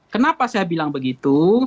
kenapa saya bilang begitu